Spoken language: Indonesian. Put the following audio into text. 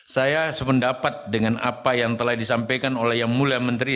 saya sependapat dengan apa yang telah disampaikan oleh yang mulia menteri